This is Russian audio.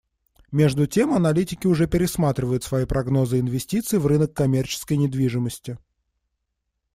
Между тем аналитики уже пересматривают свои прогнозы инвестиций в рынок коммерческой недвижимости.